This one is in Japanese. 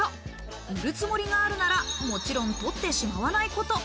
売るつもりがあるなら、もちろん取ってしまわないこと。